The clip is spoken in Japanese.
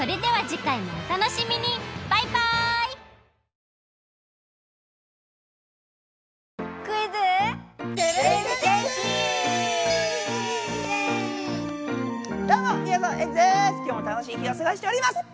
今日も楽しい日をすごしております！